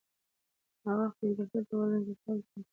ناوخته ویده کېدل د وزن زیاتوالی زیاتوي.